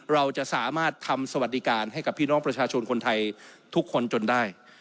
เราจะสามารถทำสวัสดิการให้กับพี่น้องประชาชนคนไทยทุกคนจนได้